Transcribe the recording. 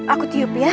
aku tiup ya